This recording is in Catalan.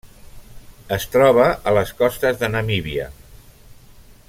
Es troba a les costes de Namíbia.